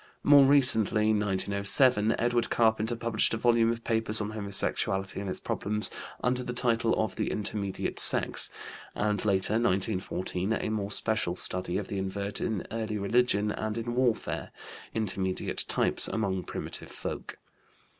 More recently (1907) Edward Carpenter published a volume of papers on homosexuality and its problems, under the title of The Intermediate Sex, and later (1914) a more special study of the invert in early religion and in warfare, Intermediate Types among Primitive Folk.